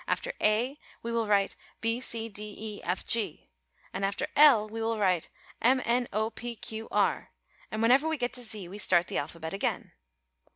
After A we will write B C D E F G, and after L we will write M N O P Q R, and whenever we get to Z we start the alphabet again.